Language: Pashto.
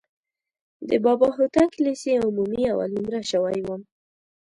د بابا هوتک لیسې عمومي اول نومره شوی وم.